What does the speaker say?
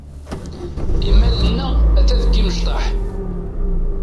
Imal-nneɣ ata deg imecṭaḥ.